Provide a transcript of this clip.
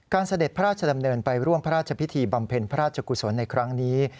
เสด็จพระราชดำเนินไปร่วมพระราชพิธีบำเพ็ญพระราชกุศลในครั้งนี้